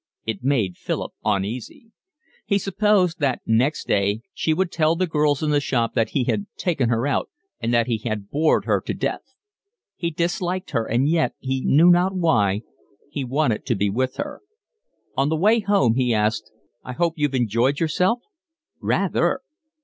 It made Philip uneasy. He supposed that next day she would tell the girls in the shop that he had taken her out and that he had bored her to death. He disliked her, and yet, he knew not why, he wanted to be with her. On the way home he asked: "I hope you've enjoyed yourself?" "Rather."